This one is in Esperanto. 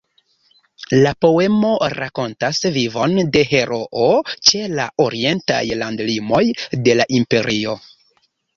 La poemo rakontas vivon de heroo ĉe la orientaj landlimoj de la Imperio.